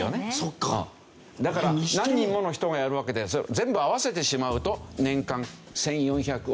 だから何人もの人がやるわけで全部合わせてしまうと年間１４００往復になると。